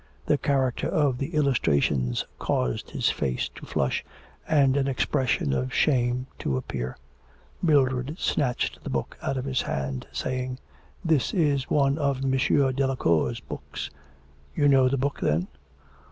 The character of the illustrations caused his face to flush, and an expression of shame to appear. Mildred snatched the book out of his hand, saying: 'That is one of M. Delacour's books.' 'You know the book, then?'